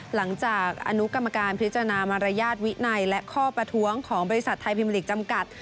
อนุกรรมการพิจารณามารยาทวินัยและข้อประท้วงของบริษัทไทยพิมพลิกจำกัด